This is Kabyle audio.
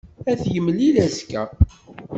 Ad t-yemlil azekka.